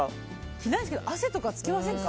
着ないですけど汗とかつきませんか？